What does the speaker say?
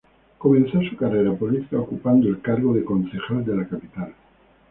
Comenzó su carrera política ocupando el cargo de concejal de la capital.